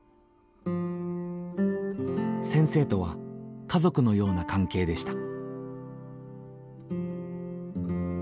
先生とは家族のような関係でした。